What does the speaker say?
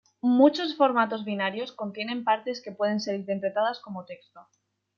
Muchos formatos binarios contienen partes que pueden ser interpretadas como texto.